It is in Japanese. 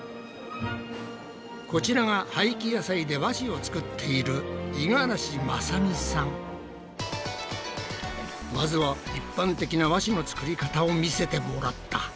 こちらが廃棄野菜で和紙を作っているまずは一般的な和紙の作り方を見せてもらった。